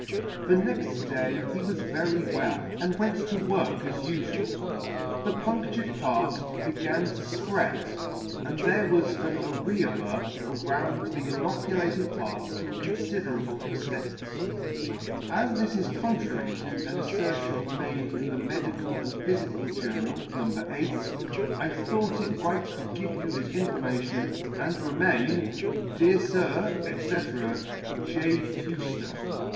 The next day he was very well, and went to work as ufual. The punc tured part began to fpread, and there was the areola around the inoculated part to a confiderable extent. " As this is contrary to an affertion made in the Medical and Phyfical [ 1 6 7 ] Phyfical Journal, No. 8, I thought it right to give you this information, and remain, Dear Sir, &c. " J. Fewster."